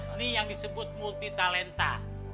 ini yang disebut multi talenta